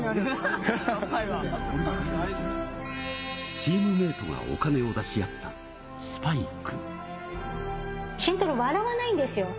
チームメートがお金を出し合ったスパイク。